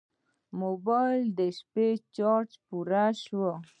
موبایل مې د شپې چارج پرې شو.